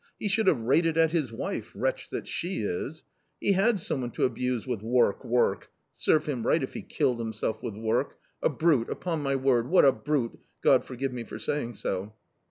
He should have rated at his wife, wretch that she is ! He had some one to abuse with ' work, work !' Serve him right if he killed himself with work ! A brute, upon my word what a brute, God forgive me for saying so."